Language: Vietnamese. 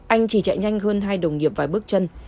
anh chỉ chạy nhanh hơn hai đồng nghiệp và bước chân